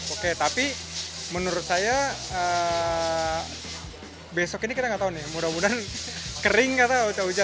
oke tapi menurut saya besok ini kita nggak tahu nih mudah mudahan kering kata uca uca